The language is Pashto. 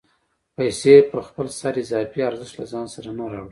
پیسې په خپل سر اضافي ارزښت له ځان سره نه راوړي